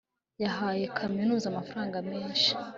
yahaye kaminuza amafaranga menshi